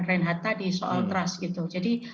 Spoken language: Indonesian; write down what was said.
ren hatta tadi soal trust gitu jadi